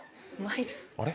あれ？